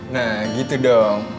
nah gitu dong